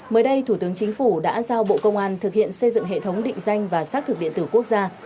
mới đây thủ tướng chính phủ đã giao bộ công an thực hiện xây dựng hệ thống định danh và xác thực điện tử quốc gia